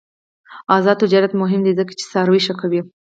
آزاد تجارت مهم دی ځکه چې څاروي ښه کوي.